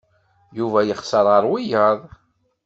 Yuba yexẓer ɣer wiyaḍ.